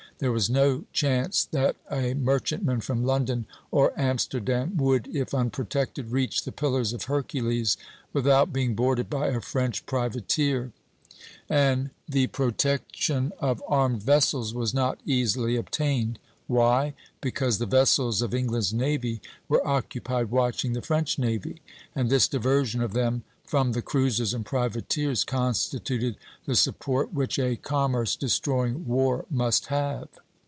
There was no chance that a merchantman from London or Amsterdam would, if unprotected, reach the Pillars of Hercules without being boarded by a French privateer; and the protection of armed vessels was not easily obtained." Why? Because the vessels of England's navy were occupied watching the French navy, and this diversion of them from the cruisers and privateers constituted the support which a commerce destroying war must have.